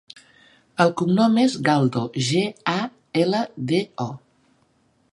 El cognom és Galdo: ge, a, ela, de, o.